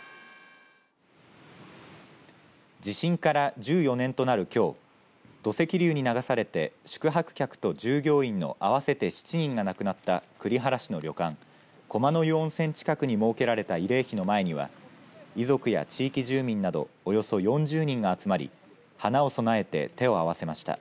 地震から１４年となるきょう土石流に流されて宿泊客と従業員の合わせて７人が亡くなった栗原市の旅館駒の湯温泉近くに設けられた慰霊碑の前には遺族や地域住民などおよそ４０人が集まり花を供えて手を合わせました。